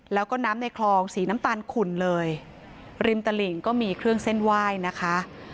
แล้วก็น้ำในคลองสีน้ำตาลขุ่นเลยริมตลิ่งก็มีเครื่องเส้นไหว้นะคะ